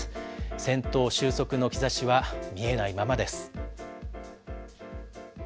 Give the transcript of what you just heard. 戦闘収束の兆しは見えないままです。